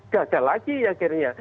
gagal lagi akhirnya